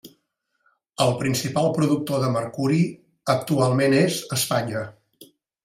El principal productor de mercuri actualment és Espanya.